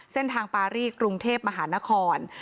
เส้นทางปารีสกรุงเทพมหานคร